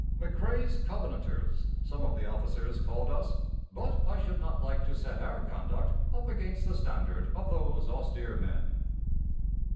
"McCrae's Covenanters" some of the officers called us; but I should not like to set our conduct up against the standard of those austere men.